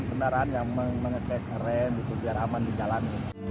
dan penerangan yang mengecek ren biar aman di jalan